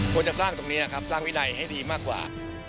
ควรจะสร้างตรงนี้ครับสร้างวินัยให้ดีมากกว่า